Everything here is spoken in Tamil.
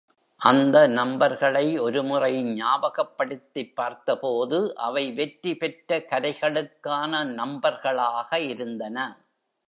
அந்த நம்பர்களை ஒரு முறை ஞாபகப்படுத்திப் பார்த்தபோது, அவை வெற்றி பெற்ற கரைகளுக்கான நம்பர்களாக இருந்தன.